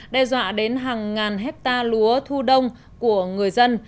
đe dọa đến hàng ngàn hectare lúa thu đông của người dân